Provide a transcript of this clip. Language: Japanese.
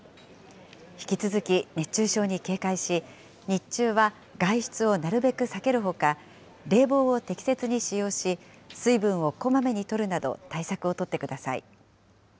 引き続き熱中症に警戒し、日中は外出をなるべく避けるほか、冷房を適切に使用し、水分をこまめにとるなど対策を取ってください。